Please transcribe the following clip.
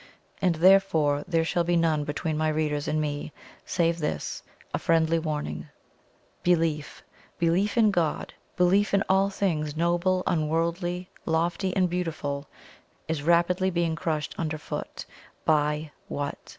And therefore there shall be none between my readers and me, save this a friendly warning. Belief belief in God belief in all things noble, unworldly, lofty, and beautiful, is rapidly being crushed underfoot by what?